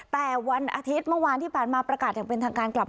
แต่วันอาทิตย์เมื่อวานที่ผ่านมาประกาศอย่างเป็นทางการกลับ